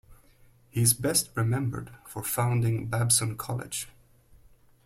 He is best remembered for founding Babson College.